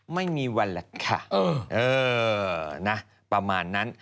ไม่มีวันหรอกค่ะเออนะประมาณนั้น